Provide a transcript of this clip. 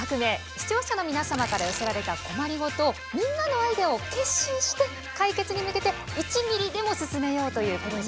視聴者の皆様から寄せられた困りごとをみんなのアイデアを結集して解決に向けて１ミリでも進めようというプロジェクトです。